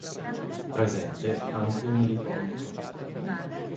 Presente anche un eliporto.